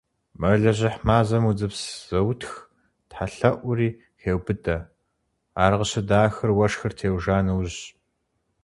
Мэлыжьыхь мазэм удзыпс зэутх тхьэлъэӀури хеубыдэ, ар къыщыдахыр уэшхыр теужа нэужьщ.